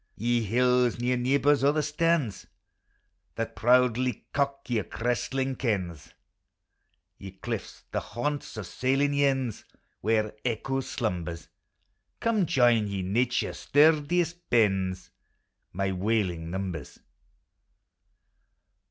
Ye hills, near ueebors o' the starns, That proudly cock your cresting cairns! Ye cliffs, the haunts of sailing yearns,* Where echo slumbers! Come join, ye Xature's sturdiest bairns, My wailing numbers!